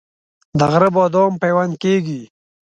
د غره بادام پیوند کیږي؟